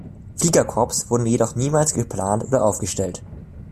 Flieger-Korps wurde jedoch niemals geplant oder aufgestellt.